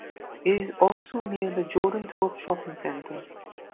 It is also near the Jordanthorpe Shopping Centre.